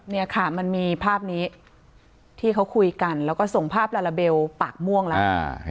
เนี่ยค่ะมันมีภาพนี้ที่เขาคุยกันแล้วก็ส่งภาพลาลาเบลปากม่วงแล้ว